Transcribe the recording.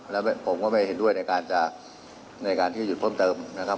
แล้วผมก็ไม่เห็นด้วยในการที่จะหยุดเพิ่มเติมนะครับ